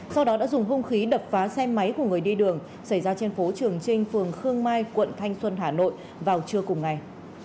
sau đó đã dùng hung khí đập phá xe máy của người đi đường xảy ra trên phố trường trinh phường khương mai quận thanh xuân hà nội vào trưa cùng ngày